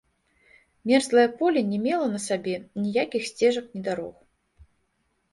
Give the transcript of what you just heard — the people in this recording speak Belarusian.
Мерзлае поле не мела на сабе ніякіх сцежак ні дарог.